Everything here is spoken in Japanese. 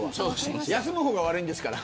休む方が悪いんですから。